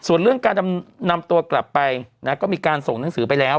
ส่วนเรื่องการนำตัวกลับไปก็มีการส่งหนังสือไปแล้ว